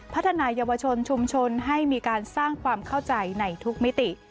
พัฒนายาวชนชุมชนให้มีการสร้างความเข้าใจในทุกมิติ